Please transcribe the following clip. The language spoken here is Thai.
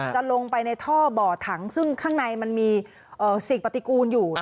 จะลงไปในท่อบ่อถังซึ่งข้างในมันมีสิ่งปฏิกูลอยู่